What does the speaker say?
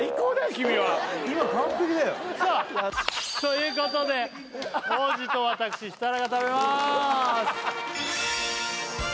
君は今完璧だよさあということで央士と私設楽が食べます